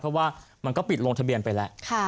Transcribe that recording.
เพราะว่ามันก็ปิดลงทะเบียนไปแล้ว